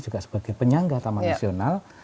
juga sebagai penyangga taman nasional